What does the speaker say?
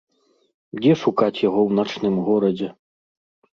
Дзе шукаць яго ў начным горадзе?